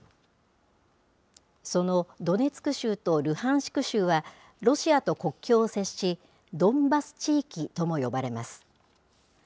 そのドネツク州とルハンシク州はロシアと国境を接し、ドンバス地域とも呼ばれます。